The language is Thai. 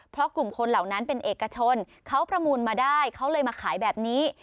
เพราะกลุ่มคนเหล่านั้นเป็นเอกชนเขาประมูลมาได้เขาเลยมาขายแบบนี้